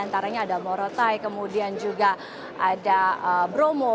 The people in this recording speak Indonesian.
jadi ada antaranya ada morotai kemudian juga ada bromo